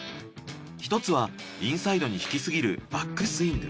１つはインサイドに引きすぎるバックスイング。